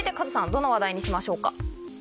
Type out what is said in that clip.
どの話題にしましょうか？